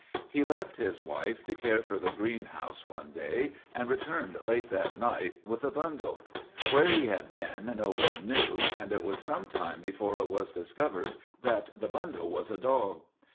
He left his wife to care for the greenhouse one day and re turned late that night with a bundle. Where he had been no one knew, and it was some time before it was discovefed that the bundle was a dog.